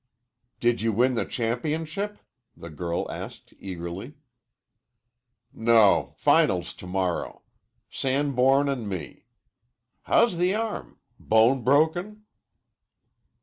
"Did you win the championship?" the girl asked eagerly. "No. Finals to morrow. Sanborn an' me. How's the arm? Bone broken?"